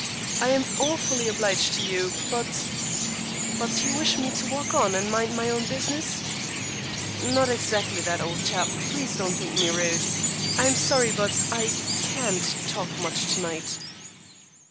I am awfully obliged to you, but " "But you wish me to walk on and mind my own business?" "Not exactly that, old chap. Please don't think me rude. I am very sorry, but I can't talk much to night."